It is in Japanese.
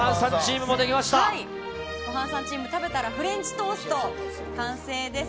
ごはんさんチーム食べたらフレンチトースト完成です。